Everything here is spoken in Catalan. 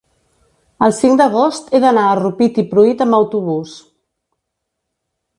el cinc d'agost he d'anar a Rupit i Pruit amb autobús.